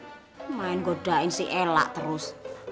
lumayan godain si elah terus